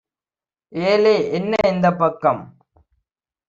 ஏலே என்ன இந்தப் பக்கம்?